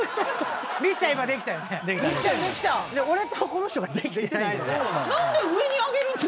俺とこの人ができてないんだよ。